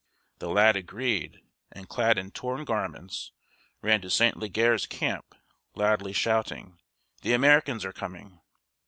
The lad agreed, and, clad in torn garments, ran to St. Leger's camp, loudly shouting, "The Americans are coming!"